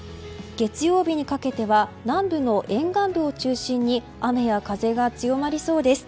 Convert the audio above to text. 月曜日にかけては南部の沿岸部を中心に雨や風が強まりそうです。